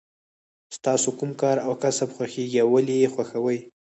ستاسو کوم کار او کسب خوښیږي او ولې یې خوښوئ.